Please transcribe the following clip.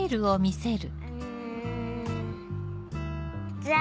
じゃあ。